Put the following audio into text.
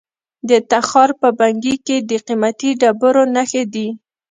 د تخار په بنګي کې د قیمتي ډبرو نښې دي.